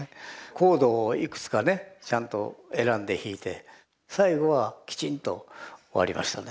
コードをいくつかねちゃんと選んで弾いて最後はきちんと終わりましたね。